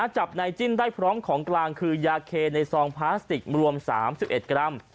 จับนายจิ้นได้พร้อมของกลางคือยาเคในซองพลาสติกรวม๓๑กรัม